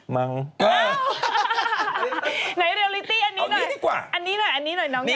มั้งเอ้า